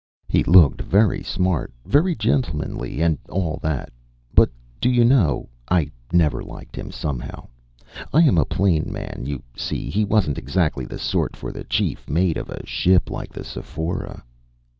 He looked very smart, very gentlemanly, and all that. But do you know I never liked him, somehow. I am a plain man. You see, he wasn't exactly the sort for the chief mate of a ship like the Sephora."